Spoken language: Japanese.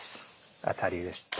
当たりです。